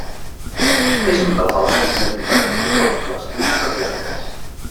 És un dels elements més diferenciadors de les cuines asiàtiques.